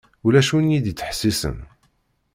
Ulac win i d-yettḥessisen.